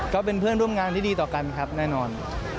ก็เป็นเพื่อนร่วมงานที่ดีต่อกันครับแน่นอน